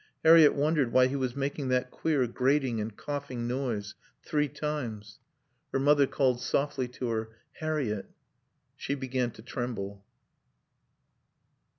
Harriett wondered why he was making that queer grating and coughing noise. Three times. Her mother called softly to her "Harriett." She began to tremble.